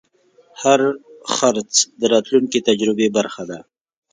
هر خرڅ د راتلونکي تجربې برخه ده.